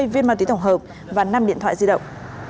năm mươi viên ma túy thổng hợp và năm điện thoại di động